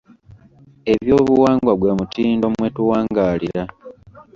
Eby'obuwangwa gwe mutindo mwe tuwangaalira.